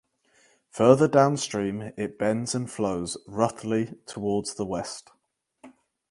Further downstream it bends and flows roughly towards the west.